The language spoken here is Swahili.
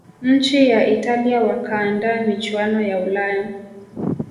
nchi ya italia wakaandaa michuano ya ulaya